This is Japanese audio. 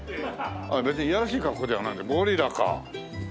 別にいやらしい格好じゃないゴリラか。